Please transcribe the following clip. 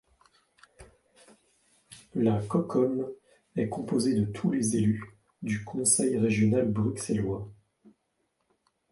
La Cocom est composée de tous les élus du Conseil régional bruxellois.